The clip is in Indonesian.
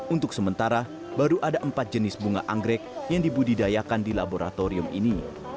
untuk sementara baru ada empat jenis bunga anggrek yang dibudidayakan di laboratorium ini